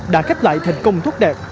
đã kết lại thành công thuốc đẹp